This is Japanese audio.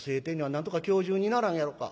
なんとか今日中にならんやろか？